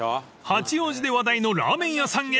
［八王子で話題のラーメン屋さんへ］